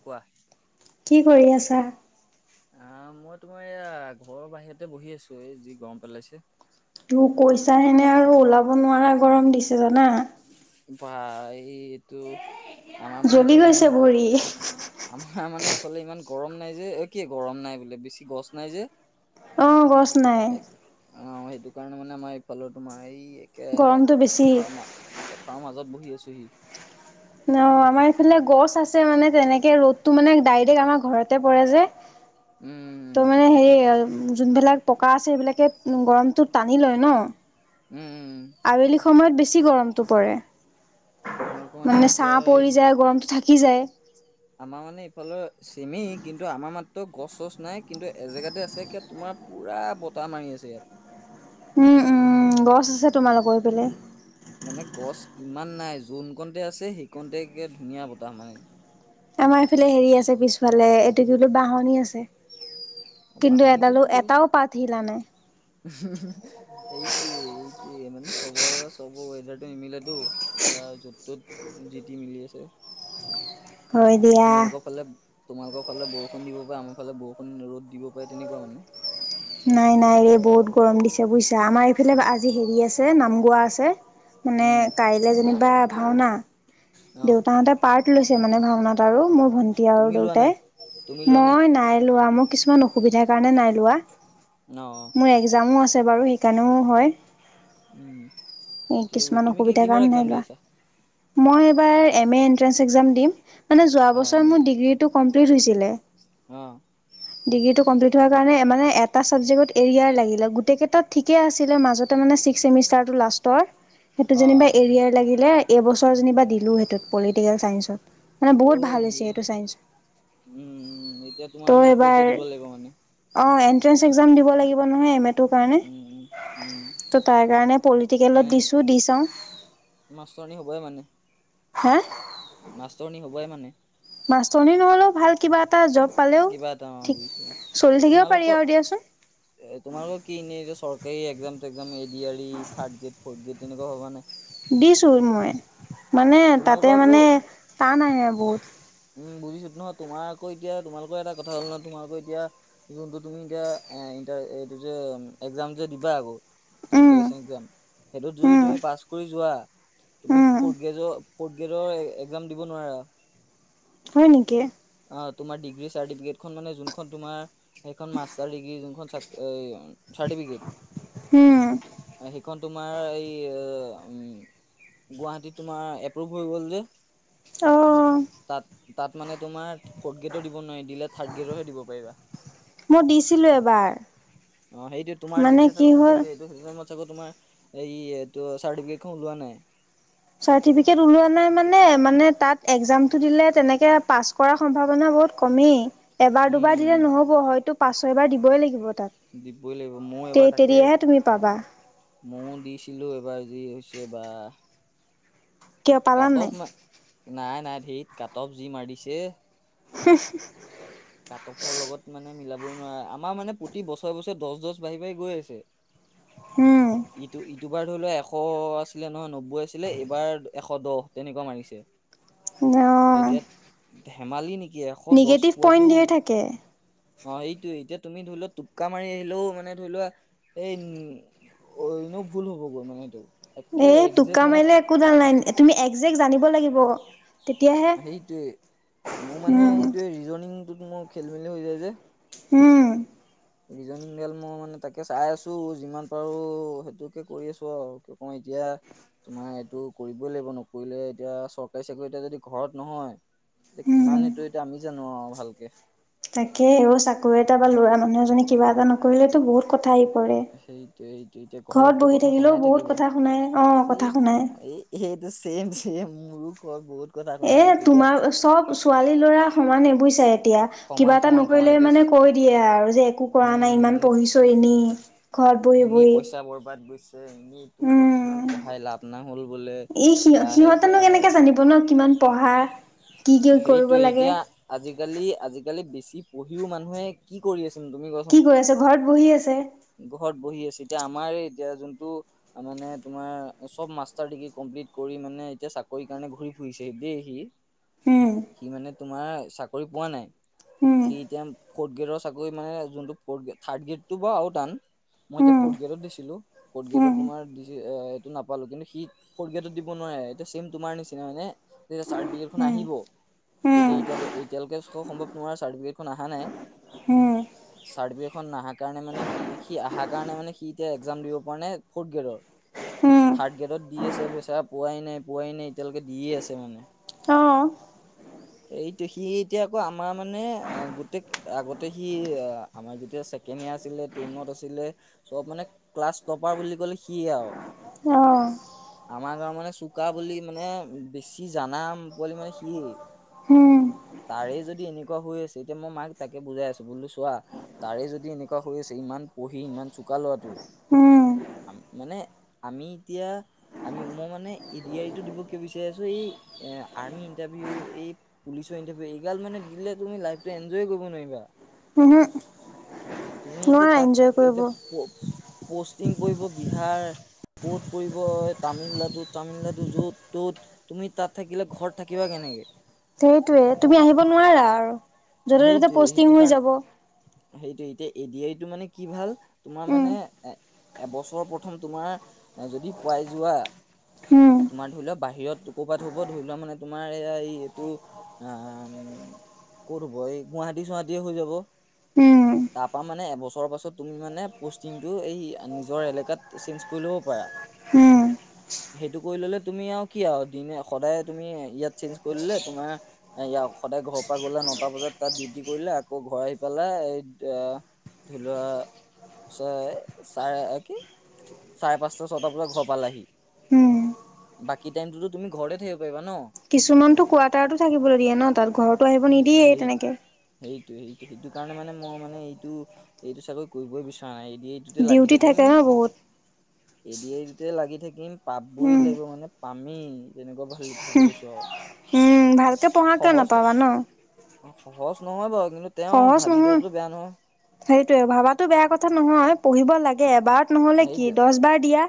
কোৱা। কি কৰি আছা। আহ মই তোমাৰ এয়া ঘৰৰ বাহিৰতে বহি আছো এই যি গৰম পেলাইছে। কৈছা হেনে আৰু ওলাব নোৱাৰা গৰম দিছে জানা। ভাই টো আমাৰ মানে জ্বলি এইফাল ইমান গৈছে গ ভৰি। আমাৰ মানে ইফালে ইমান গৰম নাই যে অ কি গৰম নাই বোলে বেছি গছ নাই যে অ', গছ নাই অ সেইটো কাৰণে মানে আমাৰ এইফালৰ তোমাৰ এই একে গৰমটো বেছি। পথাৰৰ ম পথাৰৰ মাজত বহি আছোহি। ন আমাৰ এইফালে গছ আছে মানে তেনেকে ৰ'দতটো মানে ডাইৰেক্ট আমাৰ ঘৰতে পৰে যে উম ত মানে [unintelligible] যোনবিলাক পকা আছে সেইবিলাকে গৰমটোত টানি লয় ন। উম আবেলি সময়ত বেছি গৰমটো পৰে। তোমালোকৰ মানে এতিয়া ছাহ এই পৰি যায় গৰমটো থাকি যায়। আমাৰ মানে ইফালৰ চেমি কিন্তু আমাৰ মাত্ৰ গছ চছ নাই কিন্তু এজেগাতে আছে কি তোমাৰ পুৰা বতাহ মাৰি আছে ইয়াত। উম উম গছ আছে তোমাল লগোকৰ এইপেলে। মানে গছ ইমান নাই যোন কণতে আছে সেইকণতেকে ধুনীয়া বতাহ মানে। আমাৰ এইফালে হেৰি আছে পিছফালে এইটো কি বোলো বাহনি আছে। কিন্তু বাহনি এডালো ওচৰতো বহিব এটাও পাৰা পাত হিলা নাই। এইটোৱে এই টোৱে মানে চবৰে চব ৱেডাৰটো নিমিলেতো এতিয়া য'ত তত জিটি মিলি আছে। হয় দিয়া। তোমালোকৰ ফালে তোমালোকৰ ফালে বৰষুণ দিব প আমাৰ ফালে বৰষুণ ৰ'দ দিব পাৰে তেনেকুৱা মানে। নাই নাই ৰে বহুত গৰম দিছে বুজিছা আমাৰ এইফালে আজি হেৰি আছে নাম গোৱা আছে মানে উম কাইলৈ যেনিবা ভাওনা। অ দেউতাহঁতে পাৰ্ট লৈছে মানে ভাওনাত আৰু মোৰ ভন্টি আৰু তুমি লোৱা দেউতাই। নাই তুমি লোৱা মই নাই লোৱা ম ই কিছুমান অসুবিধাৰ কাৰণে নাই লোৱা অ অ মোৰ এক্জামো আছে বাৰু সেইকাৰণেও হয়। উম কিছুমান তুমি কি অসুবিধাৰ কিহৰ কাৰণে নাই এক্জাম লোৱা। দি আছা? মই এইবাৰ এণ্ট্ৰেন্স এক্সাম দিম। মানে যোৱা অ বছৰ এম এ মোৰ ডিগ্ৰীটো কমপ্লিট হৈছিলে। অ ডিগ্ৰীটো কমপ্লিট হোৱাৰ কাৰণে মানে এ এটা ছাবজেক্টত এৰিয়াৰ লাগিলে গোটেইকেইটাত ঠিকে আছিলে মাজতে মানে ছিক্স চেমিষ্টাৰটো লাষ্টৰ সেইটো অ অ যেনিবা এৰিয়াৰ লাগিলে এবছৰ যেনিবা দিলো সেইটোত পলিটিকেল চাইন্সত। মানে অ বহুত ভাল হৈছে এইটো ছাইন্ঞ্চ। উ এতিয়া তোমাৰ মানে আকৌ এতিয়া দিব লাগিব মানে। এণ্ট্ৰেন্স এক্সাম দিব লাগিব নহয় ম এ‌ টোৰ উম, কাৰনে। উম, উম, উম, ত' তাৰ কাৰণে পলিটিকেলত মানে দিছো দি চাও। মাষ্টৰনী হা? মাষ্টৰণী হ'বাই মানে। মাষ্টৰণী নহ'লেও ভাল কিবা এটা জব পালেও কিবা এটা অ' ঠিক বুজিছোঁ চলি থাকিব পাৰি তোমালোকৰ আৰু দিয়াচোন এ তোমালোকৰ কি এনে চৰ একেই এক্জাম টে্জাম এ ডি আৰ থাৰ্ড্ৰেড ফৰ্থ গ্ৰে তেনেকুৱা হ'বা নে? দিছোঁ মই মানে তাতে তোমালোকৰ আকৌ মানে টান আহে বহুত। উম বুজিছোঁ নহয় তোমাৰ আকৌ এতিয়া তোমালোকৰ এটা কথা হ'ল নহ তোমাৰ আকৌ এতি যোনটো তুমি এতিয়া এ এইটো যে এক্জাম যে দিবা আকৌ উম। এণ্ট্ৰেঞ্চ একজাম সেইটোত যদি উম, তুমি পাছ কৰি যোৱা তুমি উম, ফৰ্থ ফৰ্থ গ্ৰেডৰ এক্জাম দিব নোৱাৰা। হয় নেকি? অ', তোমাৰ ডিগ্ৰী চাৰ্টিফিকেটখন মানে যোনখন তোমাৰ সেইখন মাষ্টাৰ ডিগ্ৰী যোনখন উম, [unintelligible] তোমাৰ এই গুৱাহাটীত তোমাৰ এপ্ৰুভ হৈ গ'ল যে। অ'। তাত তাত মানে তোমাৰ ফৰ্থ গ্ৰেডো দিব নোৱাৰি দিলে থাৰ্ড গ্ৰেডৰহে দিব পাৰিবা। মই দিছিলোঁ এবাৰ অ', সেইটোৱে তোমাৰ মানে যেতিয়া কি চাগে সম্ভৱ হল? হয়, এইটো সেইটো টাইমত তোমাৰ এই চাৰ্টিফিকেট খন ওলোৱা নাই। চাৰ্টিফিকেট ওলোৱা নাই মানে মানে তাত এক্সামটো দিলে তেনেকে পাছ কৰ সম্ভাৱন বহুত কমেই এবাৰ উম, দুবাৰ উম, দিলে উম, নহ'ব হয়তো পাঁচ- ছয়বাৰ দিবই লাগিব। দিবই লাগিব ময়ো তে এবাৰ তাকে তেতিয়াহে তুমি পাবা। ময়ো দিছিলোঁ এবাৰ যি হৈছে বা। কিয় কাট পালানে অফ নাই? নাই নাই হেৰিত কাট অফ যি মাৰিছে। উ কাট অফৰ লগত মানে মিলাব আমাৰ মানে প্ৰতি বছৰে বছৰে দহ দহ বাঢ়ি বাঢ়ি গৈ আছে। হুম। দুবাৰ ধৰি লোৱা এশ আছিলে নহয় নব্বৈ আছিলে এইবাৰ এশ দহ তেনেকুৱা মাৰিছে। ন এতিয়া ধেমালি নেকি এশ দহ। পইণ্ট পোৱাতো দিয়ে থাকে। অ' সেইটো এতিয়া তুমি ধৰি লোৱা টোক্কা মাৰি আহিলেও মানে ধৰি লোৱা এই উম অ' এনেও ভুল হব গৈ মানে এইটো। একে এ একজেক্ট টোক্কা মানে মাৰিলে একো ডাল নাই তুমি একজেক্ট জানিব লাগিব। তেতিয়াহে, সেইটোৱে মোৰ মানে উম, এইটো ৰিজনিংটোত মোৰ খেলি-মেলি হৈ যায় যে। উম। ৰিজনিংডাল মই মানে তাকে চাই আছোঁ যিমান পাৰো সেইটোকে কৰি আছোঁ আৰু ক কওঁ এতিয়া। এতিয়া তোমাৰ এইটো কৰিবই লাগিব নকৰিলে এতিয়া চৰকাৰী চাকৰি এটা যদি ঘৰত নহয় এতিয়া উম। কিমান সেইটো এতিয়া আমি জানো আৰু ভালকে তাকে চাকৰি এটা বা ল'ৰা মানুহ এজনে কিবা এটা নকৰিলেতো বহুত ক আহি পৰে সেইটো এইটো এতিয়া ঘৰত ঘৰততো বহি কথা শুনাই থাকিলেও থাকিব বহুত কথা শুনাই, অ', কথা শুনাই সেইটো চেম, চেম মোৰো কয় বহুত কথা শুনাই এ আছে এতিয়া তোমাৰ চব ছোৱালী-লৰা সমানে বুজিছা এতিয়া সমান কিবা এটা সমান সমান নকৰিলে এতিয়া মানে কৈ দিয়ে আৰু যে একো কৰা নাই উম ইমান পঢ়িছ এনেই ঘৰত বহি এনেই বহি পইচা বৰবাদ গৈছে এনেই তহঁতক ইমান উম। পঢ়াই লাভ নহ'ল বোলে ই সি সিহঁতেনো সেয়াহে-তেয়াহে কেনেকে জানিব ন কিমান পঢ়া কি কি কৰিব সেইটোৱে লাগে এতিয়া আজিকালি আজিকালি বেছি পঢ়িও মানুহে কি কৰি আছে কি কৰি আছে ঘৰত বহি আছে ঘৰ বহি আছে এতিয়া আমাৰ এতিয়া যোনটো মানে তোমাৰ চব মাষ্টাৰ ডিগ্ৰী কমপ্লিট কৰি মানে মানে এতিয়া চাকৰি কাৰণে ঘূৰি-ফুৰিছে দেই সি উম। সি মানে তোমাৰ চাকৰি পোৱা নাই উম সি এতিয়া ফৰ্থ গ্ৰেডৰ চাকৰি মানে যোনটো থাৰ্ড গ্ৰেডটো বাৰু আৰু টান মই এতিয়া উম ফৰ্থ গ্ৰেডত দিছিলো ফৰ্ উম গ্ৰেডত তোমাৰ এইটো নাপালো কিন্তু সি ফথ গ্ৰেডত দিব নোৱাৰে এইটো চেম তোমাৰ নিচিনা মানে চাৰ্টিফিক উম আহিব উম তেতিয়া এতিয়য়াাত এতিয়ালৈকে চ সম্ভৱ নহয় চাৰ্টিফিকেটখন অহা উম। নাই চাৰ্টিফিকট খন নাহাৰ কাৰণে মানে স সি অহাৰ কাৰণে মানে সি এতিয়া এক্সাম দিব পৰা নাই ফৰ্থ গ্ৰেডৰ উম থাৰ্ড গ্ৰেডত দি আছেচ পোৱাই নাই পোৱাই নাই এতিয়ালৈকে দিয়ে আছে মানে উম। এইটো সি এতিয়া আকৌ আমাৰ মানে গোটেই আগতে সি আমাৰ যেতিয়া কেনে আছিলে ট্ৰেইনত আছিলে চব মানে ক্লাছ টপাৰ বুলি কলে সিয়ে আৰু আহ, আমাৰ গাঁওৰ মানে চুকা বুলি মানে বেছি জানা পোৱাল মানে সি উম। তাৰে যদি এনেকুৱা হৈ আছে এতিয়া মই মাক তাকে বুজাই আছো বোলো চোৱা তাৰে যদি এনেকুৱা হৈ আছে ইমান পঢ়ি ইমান চোকা লোৱাটো উম মানে আমি এতিয়া আমি মই মানে এডি আাৰটো দিব কিয় বিচাৰি আছো এই এ আৰ্মি ইণ্টাৰভিউ এই পুলিচৰ ইণ্টাৰভিউ এইগাল মানে দিলে তুমি লাইফটো এনজয় কৰিব নোৱাৰিবা উমহ তুমি ম এতিয়া তাত এটো পষ্টিং পৰিব বিহাৰ ক'ত পৰিব এই তামিলনাডু তামিলনাডু য'ত ত' তুমি তাত থাকিলে ঘৰত থাকিবা কেনেকে সেইটোয়ে তুমি আহিব নোৱাৰা আৰু য'তে ত'তে সেইটোৱে পষ্টিং সেইটো হৈ যাব কাৰণে সেইটো এতিয় এ ডি আটো মানে কি ভাল তোমাৰ উম মানে এ এবছৰ প্ৰথম তোমাৰ যদি পোৱাই যোৱা উম তোমাৰ ধৰি লোৱা বাহিৰত ক'বাত হব ধৰি লোৱা মানে তোমাৰ এইয়া এই এইটো আ [inaudible] কৰ' হ'ব এই গুৱাহাটী চুৱাটীয়ে হৈ যাব উম তাৰ পৰাা মানে এবছৰৰ পাছত তুমি মানে পষ্টিংটো এই নিজৰ এলেকাত চেঞ্জ কৰি ল'ব পাৰা হম। সেইটো কৰি ললে তুমি আৰু কি আৰু দিনে সদায় তুমি ইয়াত চেঞ্জ কৰি ললে তোমাৰয় সদায় ঘৰ পৰা গ'লে ন এটা বজাত তাত ডিউটি কৰিলে আকৌ ঘৰ আহি পেলাই এই ধৰি লোৱা চ চাৰে কি চাৰে পাঁচটা ছটা বজাত ঘৰ পালেহি উম বাকী টাইমটোতো তুমি ঘৰত থা কিছুমানতো কোৱাৰ্টাৰতো থাকিবলৈ দিয়ে ন তাত, ঘৰতো আহিব নিদিয়ে সেইটো তেনেকে। সেইটো, সেইটো, সেইটো কাৰণে মানে মই মানে এইটো, এইটো চাগৈ কৰিবই বিচৰা নাই এই এইটোতে লাগি ডিউটি থাকিম। থাকে ন বহুত এ দি আই টোতে লাগি থাকিম, পাবই উম লাগিব মানে, পামেই তেনেকুৱা ভা ভাবি লৈছো আৰু। উম ভালকে পঢ়া, কিয় নাপাবা ন। অহ, সহজ নহয় বাৰু। কিন্তু তেওঁ সহজ ভাবি নহয়। থকাটো বেয়া নহয় সেইটোয়ে ভবাতো বেয়া কথা নহয়, পঢ়িব লাগ এ এবাৰত নহ'লে কি, সেইটো দহ বাৰ দিয়া।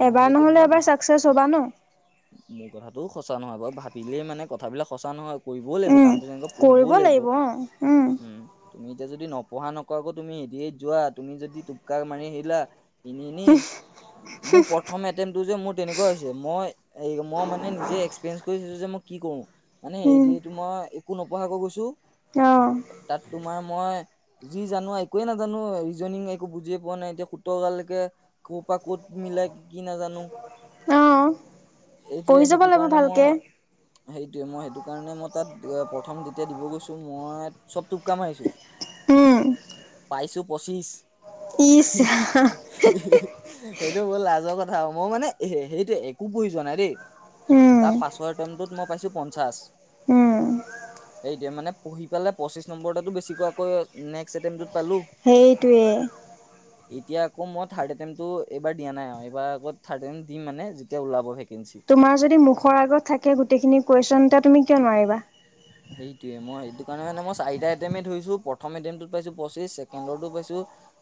অ এবাৰ সেইটো নহ'লে ন এবাৰ ভা চাকচেছ হ'বা ন। মোৰ কথাটোও সঁচা নহয় বাৰু, ভাবিলেই মানে কথাবিলাক সঁচা নহয়। কৰিবও লাগিব উম, কামটো, তেনেকৈ পঢ়িবও কৰিব লাগিব। অ, উম, তুমি এতিয়া যদি নপঢ়া নকৰা কৈ তুমি এ দি আই ত যোৱা তুমি যদি টোপকা মাৰি আহিলা। ই নেই, ই নেই। মোৰ প্ৰথম এটেনটো যে, মোৰ তেনেকুৱা হৈছে মই, মই মানে নিজেই এপিৰিএচ্ কৰি। যে মই কি কৰো। মানে এ উম, দি আই টোত মই একো নপঢ়াকৈ গৈছো। অ, তাত তোমাৰ মই যি জানো, একোৱে নাজানো ৰিজনিং একো বুজিয়ে পোৱা নাই, এতিয়া সোতৰ গালৈকে ক'ৰ পৰা ক'ত মিলাই কি, নাজানো। অ, এতিয়া, পঢ়ি যাব সেইটো লাগিব কাৰণে মই ভালকে এইতোয়ে মই সেইটো কাৰণে মই তাত, প্ৰথম যেতিয়া দিব গৈছো মই চব টোপকা মাৰিছো। উম'। পাইছোঁ পঁচিছ। ইচ ৰাম [unintelligible] লাজৰ কথা আৰু। মই মানে সেইটো একো পঢ়ি যোৱা নাই দেই। উম, তাৰ পাছৰ এটেমটোত মই পাইছো পঞ্চাশ। উম, সেইটোয়ে মানে পঢ়ি পালে পঁচিশ নম্বৰৰতো বেছিকৈ [unintelligible] নেকচ্ এটেম সেইটোৱে। এতিয়া আকৌ মই থাৰ্ড এটেমটটো এইবাৰ দিয়া নাই, আৰু এইবাৰ আকৌ থাৰ্ড এটেমট দিম মানে, যেতিয়া ওলাব ভেকে তোমাৰ যদি মুখৰ আগত থাকে গোটেইখিনি কোএচন তে তুমি কিয় নোৱাৰিবা। সেইটোয়ে মই এইটো কাৰণে মানে মই চৰিটা এটেমেনট ধৰিছো প্ৰথম এটেমটোত পাইছো পঁচিছ ছেকেণ্ডো পাইছো।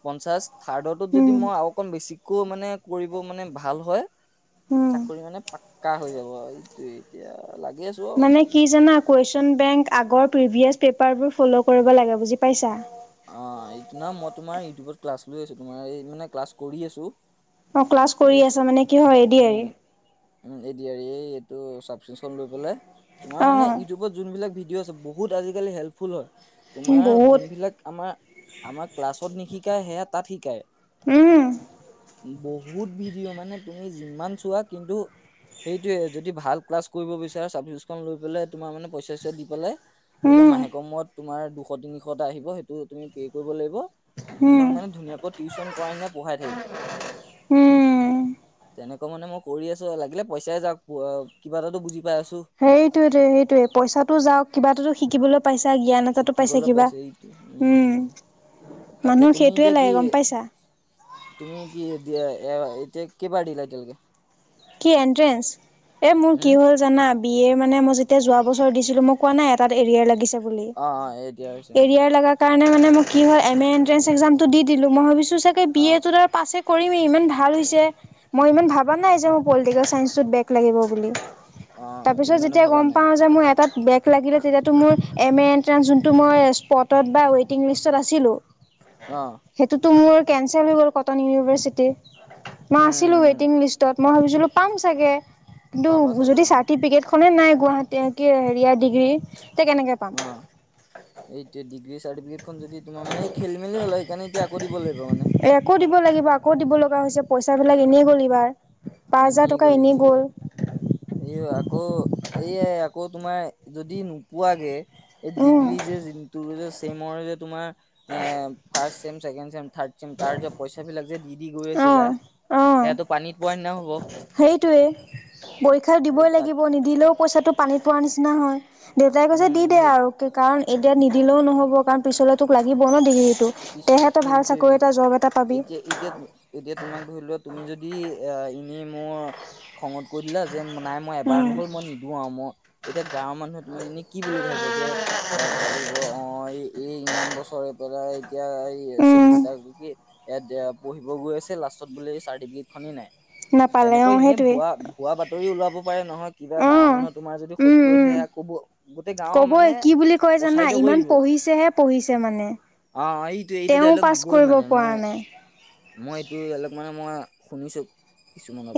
পঞ্চাশ থাৰ্ড যদি উম, মই আৰু অকণ বেছিকৈ মানে কৰিব মানে ভাল হয়। উম, চাকৰি মানে, পাক্কা হৈ যাব এইটোয়ে এতিয়া। লাগি আছো আৰু মানে কি জানা। কুৱেশ্যন বেংক আগৰ প্ৰিভিয়াছ পে'পাৰবোৰ ফ'ল' কৰিব লাগে বুজি পাইছা। অহ' এইটো না মই তোমাৰ ইউটিউবত ক্লাছ লৈ আছো, তোমাৰ মানে ক্লাছ কৰি আছো। অহ' ক্লাছ এ কৰি আছা মানে কি হয়, এ দি কৰি। উম উম' এ, এই এইটো চাফ চিক চন লৈ পেলাই। তোমাৰ অ, মানে ইউটিউবত যোনবিলাক ভিডিঅ' আছে বহুত আজিকালি হেল্পফুল হয়, তোমাৰ বহুত যোনবিলাক আমাৰ। আমাৰ ক্লাছত নিশিকাই সেয়া তাত শিকায়। উম, বহুত ভিডিঅ' মানে তুমি যিমান চোৱা কিন্তু সেইটোয়ে যদি ভাল ক্লাছ কৰিব বিচাৰে চাবজেক লৈ পেলাই, তোমাৰ মানে পইচা চইচা দি পেলাই। ধৰি লোৱা, উম, মাহেকমত তোমাৰ দুশ তিনিশটা আহিব সেইটো। এইটো তুমি হেৰি কৰিব লাগিব, তোমাক উম, মানে ধুনীয়াকৈ টিউচন কৰাই না পঢ়াই থাকিব। উম। তেনেকুৱা মানে মই কৰি আছো, লাগিলে পইচাই যাওক। কিবা এটাতো, বুজি পাই আছোঁ। সেইটোয়ে, সেইটোয়ে পইচাতো যাওঁক কিবা এটা শিকিবলৈ। পাইছা জ্ঞান এটাটো পাইছা শিকিবলৈ কিবা, পাইছে এইটো উম। তাকে মানুহক তুমি সেইটোৱে এতিয়া কি লাগে গম পাইছা। তুমি কি এতিয়া, এ এতিয়া কি পাতিবা তুমি। কি এন্ট্ৰেন্ঞ্চ, এ মোৰ কি উম হ'ল জানা বি এ ৰ মানে মই। এতি যোৱা বছৰ দিছিলো মোক কোৱা নাই এটাাত এৰিয়াৰ লাগিছে অ অ এতিয়া হৈছে অ স কাৰণে মানে মই কি হয় এম এণ্ট্ৰেঞ্চ এক্সামটো দি দিলো মই ভাবিছোঁ চাগৈ বি অ এটো ধ পাছে কৰিমি ইমান ভাল হৈছে মই ইমান ভাবা নাই যে মোৰ পলিটিকেল চাইঞ্চত বেক লাগিব বুলি অ তুমি তাৰপিছত মানে যেতিয়া ভাবা গম নাই পাও যে মোৰ এ বেগ লাগিলে তেতিয়াতো মোৰ এম এ এণ্ট্ৰেস যোনটো মই স্পটত বা ৱেইটিং লিষ্টত আছিলোঁ অ সেইটোতো মোৰ কেনচেল হৈ গ'ল কটন ইউনিভাৰ্চিটি মই উম আছিলো উম ৱটিং লিষ্টত মই ভাবিছিলো পাম চাগে কিন্তু পাবা চাগে যদি অ চাৰ্টিফিকেট খনে নাই গুৱাহাটী হেৰিয়া ডিগ্ৰী তে কেনেকে পাম অ এইতিয়া ডিগ্ৰী চ তাৰ মে খেল মেলি হ' সেইকাৰে এতিয়া আকৌ দিব লাগিব মানে এ আকৌ দিব লাগিব আকৌ দিব লগা হৈছে পইচা বিলাক এনেই গ'ল এইবাৰ পাঁচ ই নি হাজাৰ টকা গ'ল এনেই নি গ'ল এই আকৌ এইয়াই আকৌ তোমাৰ যদি নোপোৱাগৈ এই উম ডিগ্ৰী যে ত যে চেমৰ যে তোমাৰ এ ফাৰ চেমছেে চম থ্ড চিম তাৰ যেত পইচা বিলাক যে দি দি গৈ অ আছিলা অ সয়াাতটো পানীত পোৱাৰাই ননা হল সেইটোৱে পৰীক্ষা এই দিবই তাত লাগিব নিদিলেও পইচাটো পানীত পোৱাৰ নিচিনা হয় দেউতাই কৈছে উম দি দে সেই আৰু কাৰণ এতিয়া নিদিলেও নহব কাৰণ পিছলে তোক লাগিব ন টো পিছ তেহেতো ভাল সেইটোৱে চাকৰি এটা জব এটা পাবি এতিয়া এতিয়া এতিয়া তোমাক ধৰি লোৱা তুমি যদি এ এনে মোৰ খঙত কৈ দিলা যে নাই মই এবাৰ উম নহ'ল মই নিদিওঁ আৰু মই এতিয়া গাঁৱৰ মানুহে তোমাক এনেই কি বুলি ভাবি যে এ ভাবিব অ এই ইমান বছৰে পৰােলাই এতিয়া এই উম, চেমষ্টাৰ পঢ়িব গৈ আছে লাষ্টত বোলে চাৰ্টিফিকেট খনেই নাই নাপালে অ তেনেকৈ এনেই সেইটোৱে ভুৱা ভুৱা বাতৰি ওলাব পাৰে নহয় কিবা অ গাঁৱৰ মানুহৰ তোমাৰ যদি উম শত্ৰু উম হৈছে কবই কি বুলি কয় জানা প্ৰচাৰিত কৰি ইমান দিব পঢ়িছেহে পঢ়িছে মানে অ এইটোে এইটো তেওঁ ডাইলগ পাছ দিবই কৰিব মানে পৰা মই নাই। মই এইটো ডাইলগ মানে মই শুনিছোঁ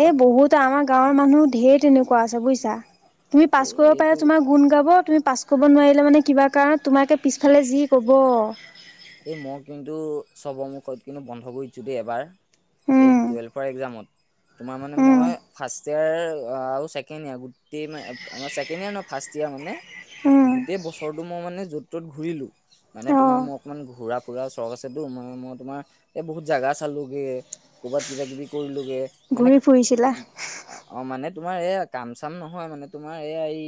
এই বহুত আমাৰ গাঁৱৰ মানুহ ধঢেৰ তেনেকুৱা আছে বুজিছা তুমি পাছ এই কৰিব এইটো পাৰা তোমাৰ গুণ গাব তুমি পাছ কৰিব নোৱাৰিলে মানে কিবা কাৰণ তোমাকে পিছফালে যি ক'ব এই মই কিন্তু চবৰ মুখত কিন্তু বন্ধ কৰি দিছো দেই এবাৰ এই উম, টুৱেল্ভৰ এক্জামত তোমাৰ মানে উম, মই ফাৰ্ষ্ট ফাৰ্ষ ইয় ছেকেণ্ড ইয়াৰ গোটেই আমাৰ ছেকেণ্ড ইয়াৰ ন ফাৰ্ষট ইয়াৰ মানে উম, গোটেই বছৰটো মই মানে য'ত ত'ত ঘূৰিলো মানে তোমাৰ অ', মোক ঘুৰা ফুৰা চৰখ আছেতো মানে মই তোমাৰ এই বহুত জেগা চালোঁগৈ ক'ৰবাত কিবা কিবি কৰিলোঁগৈ ঘূৰি ফুৰিছিলা মানে তোমাৰ এয়া কাম চাম নহয় মানে তোমাৰ এইয়া এই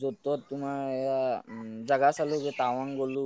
য'ত ত'ত তোমাৰ এয়া উম জাগা চালোে াৱাং গ'লো